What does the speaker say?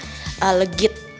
nasi kuningnya tuh legit